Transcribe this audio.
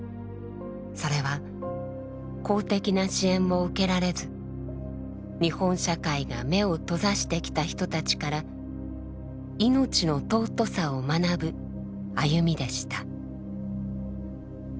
それは公的な支援を受けられず日本社会が目を閉ざしてきた人たちから「命の尊さ」を学ぶ歩みでした。